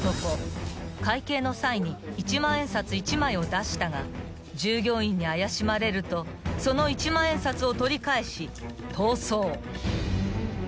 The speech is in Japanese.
［会計の際に１万円札１枚を出したが従業員に怪しまれるとその１万円札を取り返し逃走］